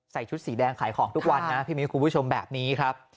ชุดสีแดงขายของทุกวันนะพี่มิ้วคุณผู้ชมแบบนี้ครับ